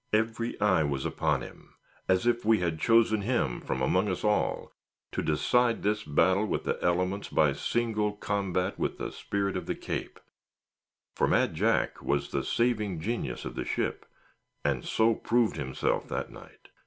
Every eye was upon him, as if we had chosen him from among us all, to decide this battle with the elements, by single combat with the spirit of the Cape; for Mad Jack was the saving genius of the ship, and so proved himself that night.